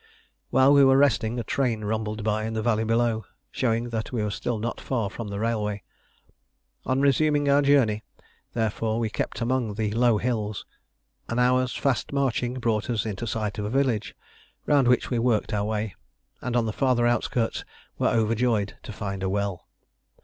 While we were resting, a train rumbled by in the valley below, showing that we were still not far from the railway. On resuming our journey, therefore, we kept among the low hills. An hour's fast marching brought us into sight of a village, round which we worked our way, and on the farther outskirts were overjoyed to find a well.